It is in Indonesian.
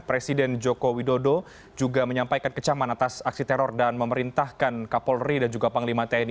presiden joko widodo juga menyampaikan kecaman atas aksi teror dan memerintahkan kapolri dan juga panglima tni